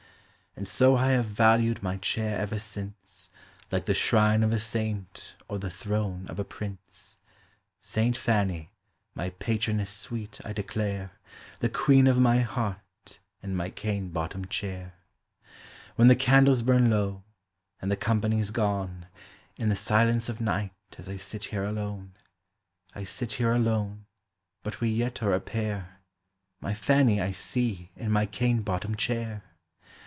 And so I have valued my chair ever since, Like the shrine of a saint, or the throne of a prince; Saint Fanny, my patroness sweet I declare, The queen of my heart and my cane bottomed chair. Digitized by Google :IS0 POEMS OF FRIENDSHIP. When the caudles bum low, and the company 's gone, In the silence of night as I sit here alone — 1 sit here alone, but we .yet are a pair— My Fanny I see in niy cane bottomed chair.